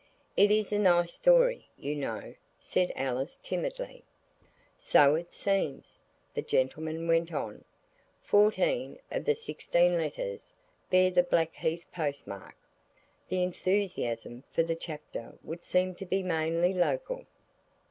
"It is a nice story, you know," said Alice timidly. "So it seems," the gentleman went on. "Fourteen of the sixteen letters bear the Blackheath postmark. The enthusiasm for the chapter would seem to be mainly local."